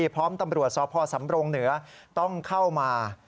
พร้อมตำรวจสพสำรงเหนือต้องเข้ามา